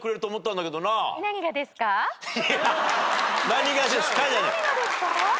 何がですか？